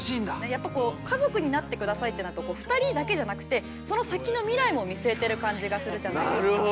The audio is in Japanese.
やっぱ「家族になってください」ってなると２人だけじゃなくてその先の未来も見据えてる感じがするじゃないですか。